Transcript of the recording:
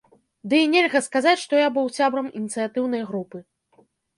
Дый нельга сказаць, што я быў сябрам ініцыятыўнай групы.